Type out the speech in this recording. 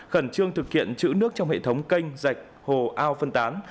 khẩn trương thực hiện chữ nước trong hệ thống canh dạch hồ ao phân tán